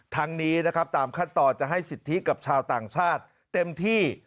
ทางนี้ตามคัดต่อจะให้สิทธิกับชาวต่างชาติเต็มที่